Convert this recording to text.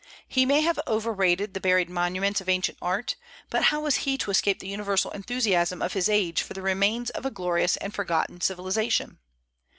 He may have overrated the buried monuments of ancient art, but how was he to escape the universal enthusiasm of his age for the remains of a glorious and forgotten civilization?